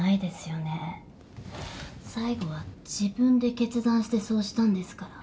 最後は自分で決断してそうしたんですから。